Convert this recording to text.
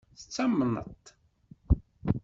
Tettamneḍ-t?